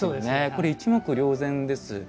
これ一目瞭然です。